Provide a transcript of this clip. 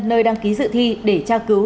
nơi đăng ký dự thi để tra cứu